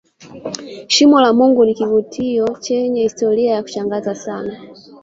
shimo la mungu ni kivutio chenye historia ya kushangaza sana